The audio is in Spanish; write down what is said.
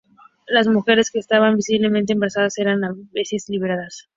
Las mujeres que estaban visiblemente embarazadas eran a veces liberadas.